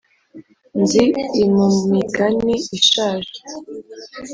nzi imumigani ishaje,